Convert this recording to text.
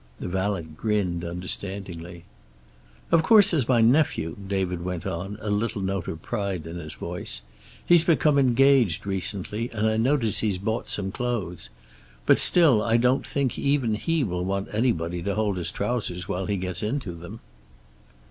The valet grinned understandingly. "Of course, there's my nephew," David went on, a little note of pride in his voice. "He's become engaged recently, and I notice he's bought some clothes. But still I don't think even he will want anybody to hold his trousers while he gets into them."